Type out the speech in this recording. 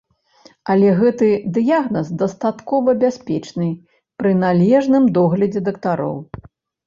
Але гэты дыягназ дастаткова бяспечны пры належным доглядзе дактароў.